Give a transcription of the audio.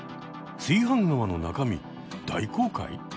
炊飯釜の中身大公開？